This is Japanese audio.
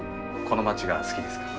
この街が好きですか？